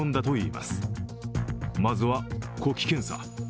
まずは呼気検査。